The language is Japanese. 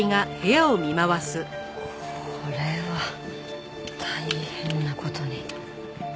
これは大変な事に。